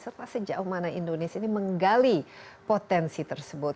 serta sejauh mana indonesia ini menggali potensi tersebut